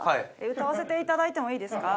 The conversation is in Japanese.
歌わせていただいてもいいですか？